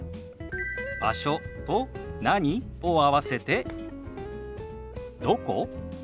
「場所」と「何？」を合わせて「どこ？」。